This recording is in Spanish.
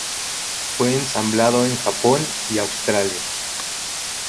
Fue ensamblado en Japón y Australia.